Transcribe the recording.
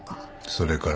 それから？